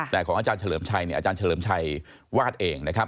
แต่ของอาจารย์เฉลิมชัยเนี่ยอาจารย์เฉลิมชัยวาดเองนะครับ